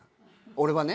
俺はね。